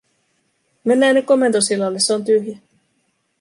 "mennää nyt komentosillalle, se on tyhjä."